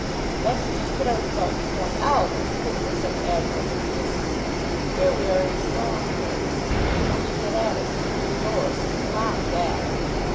"That's just what I was about to point out when you put it with such admirable clearness. Here we are in a stronghold, they can only get at us through the door, and we can lock that."